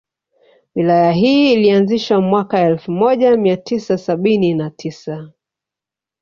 Wilaya hii ilianzishwa mwaka elfu moja mia tisa sabini na tisa